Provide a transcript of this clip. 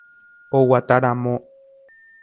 Oguataramo.